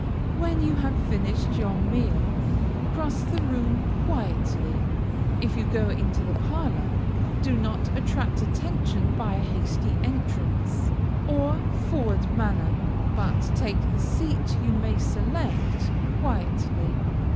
When you have finished your meal, cross the room quietly; if you go into the parlor, do not attract attention by a hasty entrance, or forward manner, but take the seat you may select, quietly.